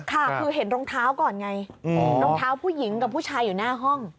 ค่ะคือเห็นรองเท้าก่อนไงรองเท้าผู้หญิงกับผู้ชายอยู่หน้าห้อง